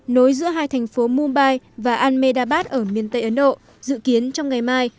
nối giữa hai thành phố mumbai và almedabas ở miền tây ấn độ dự kiến trong ngày mai